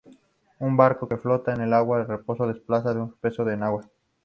Un barco que flota al agua en reposo desplaza su peso en agua.